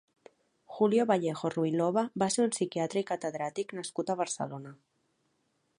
Julio Vallejo Ruiloba va ser un psiquiatra i catedràtic nascut a Barcelona.